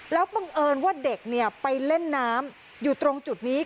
แล้วบังเอิญว่าเด็กไปเล่นน้ำอยู่ตรงจุดนี้